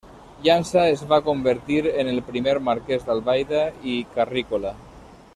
Llança es va convertir en el primer Marqués d'Albaida i Carrícola.